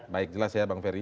baik jelas ya bang ferry